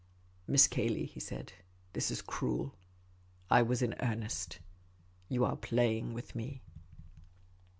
" Miss Cayley," he said, " this is cruel. I was in earnest. You are playing with me."